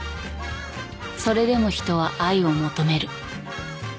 ［それでも人は愛を求める］